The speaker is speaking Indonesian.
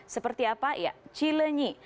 seperti apa ya cilinyi